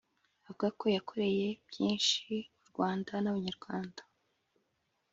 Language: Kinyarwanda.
avuga ko yakoreye byinshi u Rwanda n’abanyarwanda